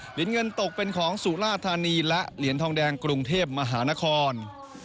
เหรียญเงินตกเป็นของสุราธานีและเหรียญทองแดงกรุงเทพมหานคร